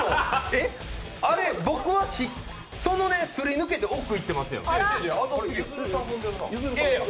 あれ、僕は、それをすり抜けて奥行ってますやん。